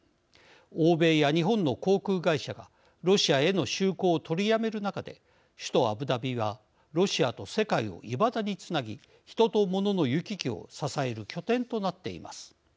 欧米や日本の航空会社がロシアへの就航を取りやめる中で首都アブダビはロシアと世界をいまだにつなぎ人と物の行き来を支える拠点となっています。